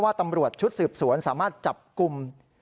ตำรวจชุดสืบสวนสามารถจับกลุ่ม